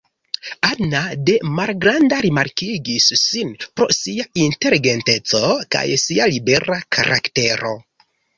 Ana de malgranda rimarkigis sin pro sia inteligenteco kaj sia libera karaktero.